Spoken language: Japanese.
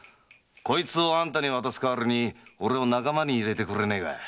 こいつをあんたに渡す代わりに俺を仲間に入れてくれねえか？